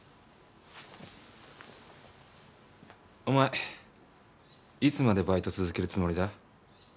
お前いつまでバイト続けるつもりだ？